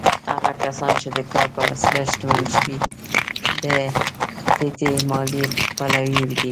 هغه کسان چې د کار په وسیله شتمن شوي، د ټیټې مالیې پلوي دي.